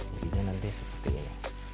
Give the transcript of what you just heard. jadinya nanti seperti ini